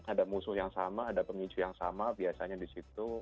ada musuh yang sama ada pemicu yang sama biasanya di situ